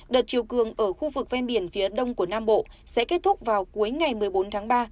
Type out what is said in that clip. đợt chiều cường ở khu vực ven biển phía đông của nam bộ sẽ kết thúc vào cuối ngày một mươi bốn tháng ba